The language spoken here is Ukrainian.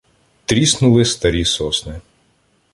Тріснули старі сосни.